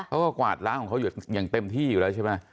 เขาก็กวาดล้างอยู่อย่างเต็มที่อยู่แล้วใช่ไหม